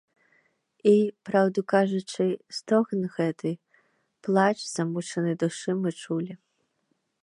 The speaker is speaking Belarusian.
І, праўду кажучы, стогн гэты, плач замучанай душы мы чулі.